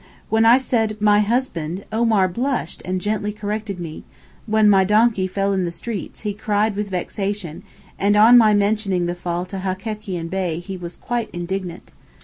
When I said 'my husband' Omar blushed and gently corrected me; when my donkey fell in the streets he cried with vexation, and on my mentioning the fall to Hekekian Bey he was quite indignant.